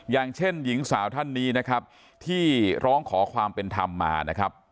อย่างเช่นหญิงสาวท่านนี้นะครับที่ร้องขอความเป็นธรรมมานะครับ